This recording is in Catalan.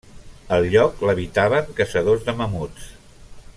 El lloc, l'habitaven caçadors de mamuts.